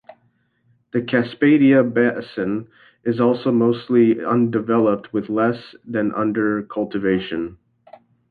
The Cascapedia basin is also mostly undeveloped with less than under cultivation.